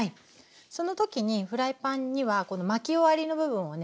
その時にフライパンにはこの巻き終わりの部分をね